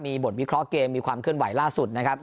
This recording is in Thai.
มีบทวิเคราะห์เกมมีความเคลื่อนไหวล่าสุดนะครับ